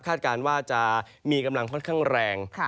การว่าจะมีกำลังค่อนข้างแรง